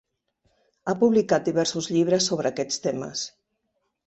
Ha publicat diversos llibres sobre aquests temes.